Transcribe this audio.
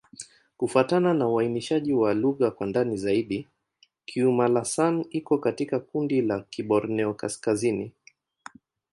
Kufuatana na uainishaji wa lugha kwa ndani zaidi, Kiuma'-Lasan iko katika kundi la Kiborneo-Kaskazini.